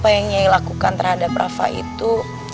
apa yang nyai lakukan terhadap rafa itu